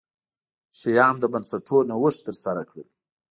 شیام د بنسټونو نوښت ترسره کړل.